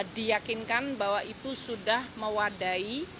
diyakinkan bahwa itu sudah mewadai